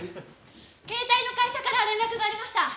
携帯の会社から連絡がありました。